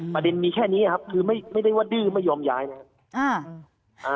มันมีแค่นี้ครับคือไม่ได้ว่าดื้อไม่ยอมย้ายนะครับ